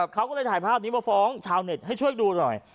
เขาก็เลยถ่ายภาพนี้มาฟ้องชาวเน็ตให้ช่วยดูหน่อย